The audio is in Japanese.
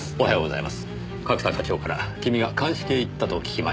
角田課長から君が鑑識へ行ったと聞きましたので。